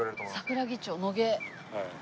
桜木町野毛。